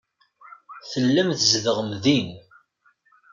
Tellam tzedɣem din.